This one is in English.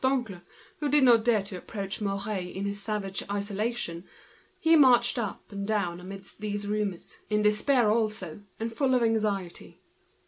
And Bourdoncle, who did not dare to approach Mouret in his ferocious isolation, marched up and down amidst these rumors, in despair also, and full of anxiety.